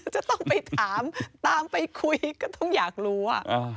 จะต้องไปถามตามไปคุยก็ต้องอยากรู้อ่ะ